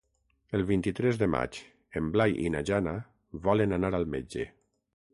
El vint-i-tres de maig en Blai i na Jana volen anar al metge.